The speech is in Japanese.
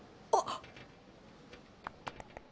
あっ！！